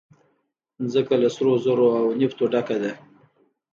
مځکه له سرو زرو او نفته ډکه ده.